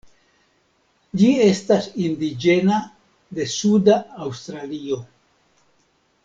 Ĝi estas indiĝena de suda Aŭstralio.